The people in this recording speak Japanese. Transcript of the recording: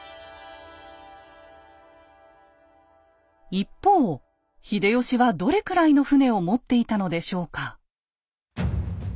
一方秀吉はどれくらいの船を持っていたのでしょうか？